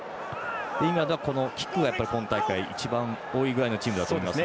イングランドはキックが今大会、一番多いくらいのチームだと思います。